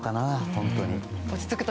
本当に。